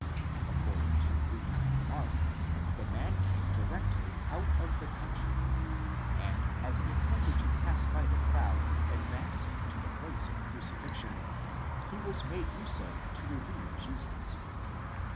According to Luke and Mark, the man came directly out of the country, ἀπ᾿ ἀγροῦ, and as he attempted to pass by the crowd advancing to the place of crucifixion, he was made use of to relieve Jesus.